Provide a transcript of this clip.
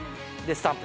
スタンプ！